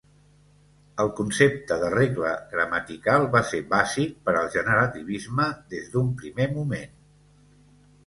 El concepte de regla gramatical va ser bàsic per al generativisme des d’un primer moment.